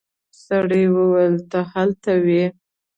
سړي وويل ته هلته وې.